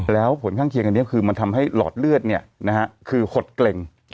แล้วผลข้างเคียงอันนี้คือมันทำให้หลอดเลือดคือหดเกร็ง